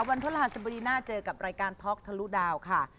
วันทะลาฮันสบดีหน้าเจอกับรายการทอล์กทะลุดาวค่ะ